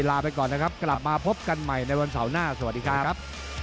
ลาไปก่อนนะครับกลับมาพบกันใหม่ในวันเสาร์หน้าสวัสดีครับ